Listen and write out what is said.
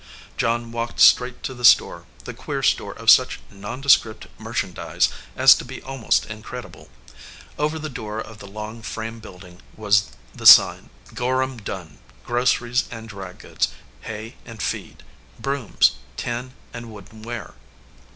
John walked straight to the store, the queer store of such nondescript merchandise as to be almost incredible. Over the door of the long frame building was the sign : GORHAM DUNN. GROCERIES AND DRYGOODS. Hay and Feed. Brooms. Tin and Wooden Ware.